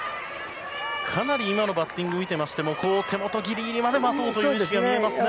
かなり今のバッティングを見ていましても手元ギリギリまで待とうという意識が見えますね。